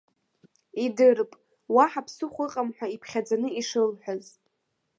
Идырп, уаҳа ԥсыхәа ыҟам ҳәа иԥхьаӡаны ишылҳәаз.